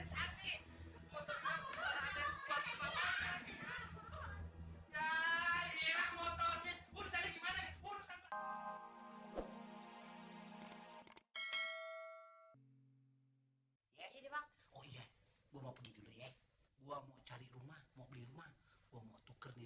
ya ya oh iya gua mau pergi dulu ya gua mau cari rumah mau beli rumah gua mau tuker di